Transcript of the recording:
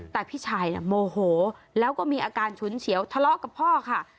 แต่พี่ชายโมโหแล้วก็มีอาการฉุนเฉียวทะเลาะกับพ่อค่ะ